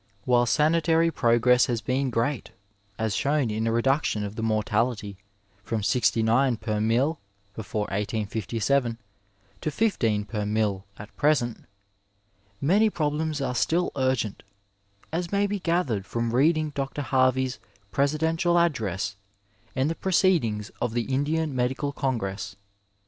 While sanitary progress has been great as shown in a reduction of the mortality from sixty nine per mille before 1857 to fifteen per mille at present, many problems are still urgent, as may be gathered from reading Dr. Harvey's Presidental address and the proceedings of the Indian Medical congress.